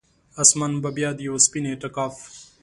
اسمان به بیا د یوه سپین اعتکاف،